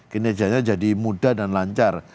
kinerjanya jadi mudah dan lancar